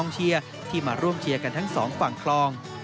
เชียร์ที่มาร่วมเชียร์กันทั้งสองฝั่งคลอง